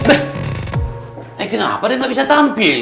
eh kenapa dia gak bisa tampil